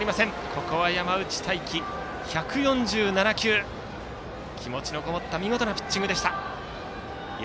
ここは山内太暉、１４７球気持ちのこもった見事なピッチングでした。